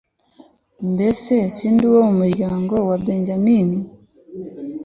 mbese sindi uwo mu muryango wa benyamini